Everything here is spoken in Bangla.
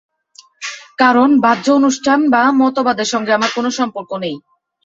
কারণ বাহ্য অনুষ্ঠান বা মতবাদের সঙ্গে আমার কোন সম্পর্ক নেই।